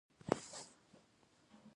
او سبا له خیره بیا راشه، چې تا ووینو.